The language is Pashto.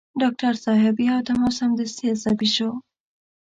ډاکټر صاحب يو دم او سمدستي عصبي شو.